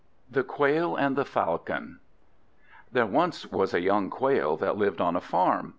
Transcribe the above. THE QUAIL AND THE FALCON There once was a young Quail that lived on a farm.